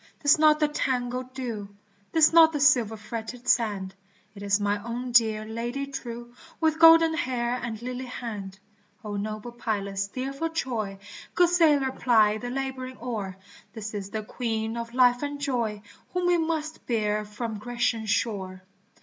'tis not the tangled dew, 'Tis not the silver fretted sand, It is my own dear Lady true With golden hair and lily hand ! O noble pilot steer for Troy, Good sailor ply the laboring oar, This is the Queen of life and joy Whom we must bear from Grecian shore